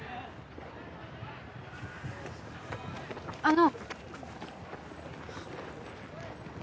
あの